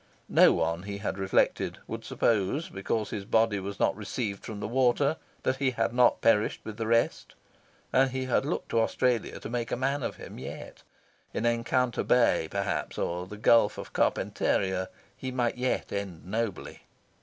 No one, he had reflected, would suppose because his body was not retrieved from the water that he had not perished with the rest. And he had looked to Australia to make a man of him yet: in Encounter Bay, perhaps, or in the Gulf of Carpentaria, he might yet end nobly.